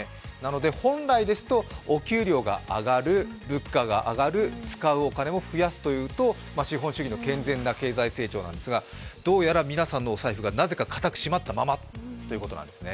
本来ですとお給料が上がる、物価が上がる、使うお金を増やすというと資本主義の健全な経済成長なんですが、どうやら皆さんのお財布が、なぜか固く閉まったままということなんですね